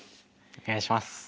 お願いします。